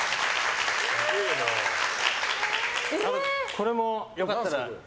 これも良かったら。